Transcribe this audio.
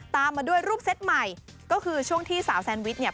ตามมาด้วยรูปเซตใหม่ก็คือช่วงที่สาวแซนวิชเนี่ย